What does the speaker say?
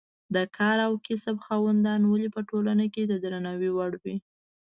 د کار او کسب خاوندان ولې په ټولنه کې د درناوي وړ وي.